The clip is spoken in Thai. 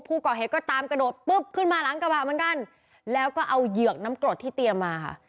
ผู้ก่อเหตุก็ตามกระโดดปุ๊บขึ้นมาหลังกระบะเหมือนกันแล้วก็เอาเหยือกน้ำกรดที่เตรียมมาค่ะ